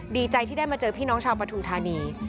ดีใจที่ได้มาเจอพี่น้องชาวปฐุมธานี